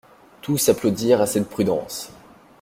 Tous applaudirent à cette prudence.